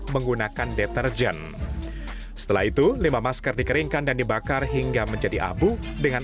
menggunakan deterjen setelah itu lima masker dikeringkan dan dibakar hingga menjadi abu dengan